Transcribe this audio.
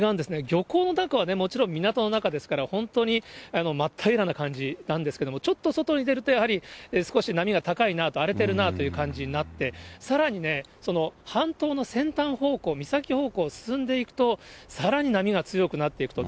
漁港の中はもちろん、港の中ですから、本当にまっ平らな感じなんですけれども、ちょっと外に出ると、やはり少し波が高いなと、荒れてるなという感じになって、さらにね、半島の先端方向、岬方向進んでいくと、さらに波が強くなっていくと。